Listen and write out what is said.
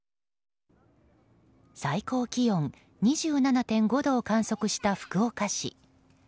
最高気温２７．５度を観測した福岡市。